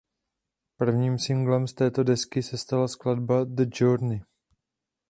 Prvním singlem z této desky se stala skladba „The Journey“.